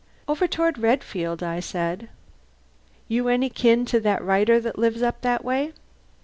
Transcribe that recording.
"Over toward Redfield," I said. "You any kin to that writer that lives up that way?"